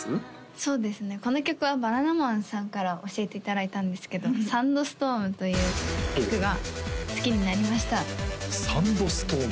そうですねこの曲はバナナマンさんから教えていただいたんですけど「Ｓａｎｄｓｔｏｒｍ」という曲が好きになりました「Ｓａｎｄｓｔｏｒｍ」？